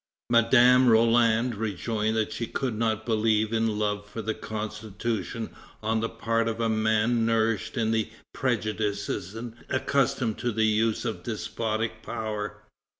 Madame Roland rejoined that she could not believe in love for the Constitution on the part of a man nourished in the prejudices and accustomed to the use of despotic power.